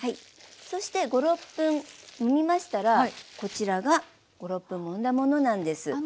そして５６分もみましたらこちらが５６分もんだものなんです。